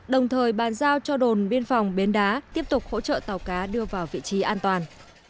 đồng thời bàn giao cho đồn biên phòng bến đá tiếp tục hỗ trợ tàu cá đưa vào vị trí an toàn